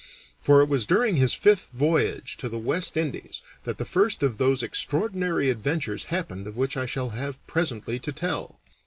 For it was during his fifth voyage to the West Indies that the first of those extraordinary adventures happened of which I shall have presently to tell.